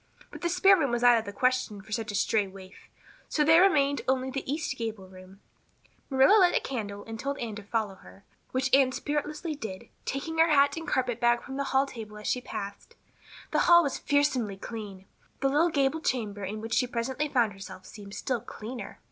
But the spare room was out of the question for such a stray waif, so there remained only the east gable room. Marilla lighted a candle and told Anne to follow her, which Anne spiritlessly did, taking her hat and carpet bag from the hall table as she passed. The hall was fearsomely clean; the little gable chamber in which she presently found herself seemed still cleaner.